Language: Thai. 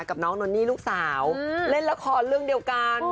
กับน้องนนนี่ลูกสาวเล่นละครเรื่องเดียวกัน